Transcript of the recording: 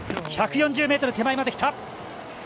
１４０ｍ手前まで来た。